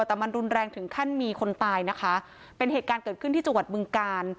แต่มันรุนแรงถึงขั้นมีคนตายนะคะเป็นเหตุการณ์เกิดขึ้นที่จังหวัดบึงกาล